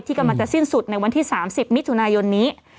ที่กำลังจะสิ้นสุดในวันที่๓๐มิยนี้